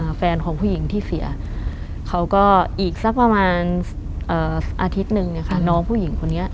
แฟนของผู้หญิงที่เสียเขาก็อีกสักประมาณเอ่ออาทิตย์หนึ่งเนี้ยค่ะน้องผู้หญิงคนนี้